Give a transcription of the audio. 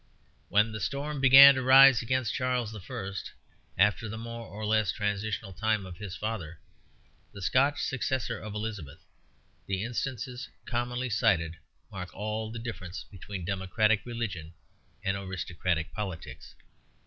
When the storm began to rise against Charles I., after the more or less transitional time of his father, the Scotch successor of Elizabeth, the instances commonly cited mark all the difference between democratic religion and aristocratic politics.